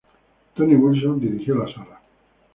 Tony Wilson dirigió la sala.